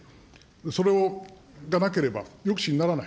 それがなければ、抑止にならない。